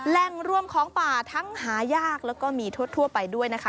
แหล่งรวมของป่าทั้งหายากแล้วก็มีทั่วไปด้วยนะคะ